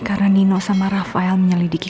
karena nino sama rafael menyelidiki